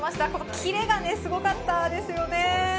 キレがすごかったですよね。